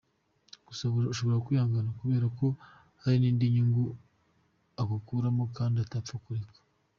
Gusa ashobora kwihangana kubera ko hari n'indi nyungu agukuraho kandi atapfa kureka.